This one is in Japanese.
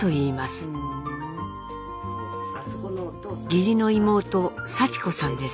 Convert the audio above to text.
義理の妹幸子さんです。